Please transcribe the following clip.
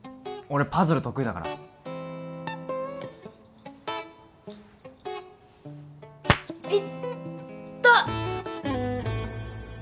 俺パズル得意だからイッタ！